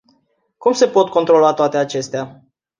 Cum se pot controla toate acestea?